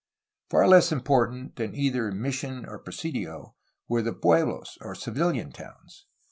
Far less important than either mission or presidio were the pueblos, or civilian ,towns.